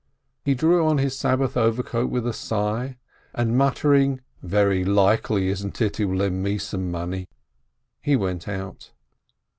He drew on his Sabbath overcoat with a sigh, and muttering, "Very likely, isn't it, he'll lend me money !" he went out.